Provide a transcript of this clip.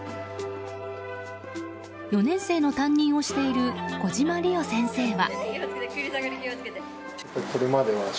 ４年生の担任をしている小島莉緒先生は。